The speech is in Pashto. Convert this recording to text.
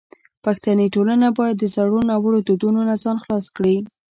پښتني ټولنه باید د زړو ناوړو دودونو نه ځان خلاص کړي.